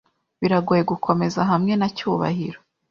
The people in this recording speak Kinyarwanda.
Biragoye gukomeza hamwe na Cyubahiro.